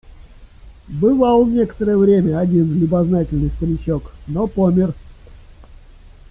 Бывал некоторое время один любознательный старичок, но помер.